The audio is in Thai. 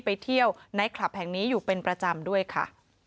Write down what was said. ไปเที่ยวในคลับแห่งนี้อยู่เป็นประจำด้วยค่ะ